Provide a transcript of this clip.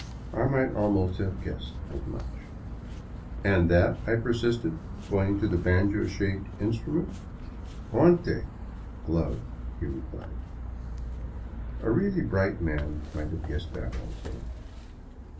I might almost have guessed as much. And that?" I persisted, pointing to the banjo shaped instrument. " Guante (glove)," he replied. A really bright man might have guessed that, also.